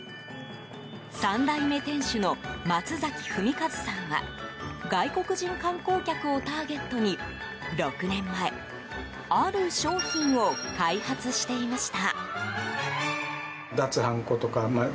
３代目店主の松崎文一さんは外国人観光客をターゲットに６年前ある商品を開発していました。